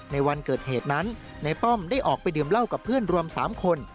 ในวันเกิดเหตุนั้นในป้อมได้ออกไปดื่มเหล้ากับเพื่อนรวม๓คน